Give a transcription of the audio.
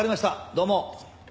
どうも。